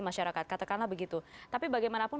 masyarakat katakanlah begitu tapi bagaimanapun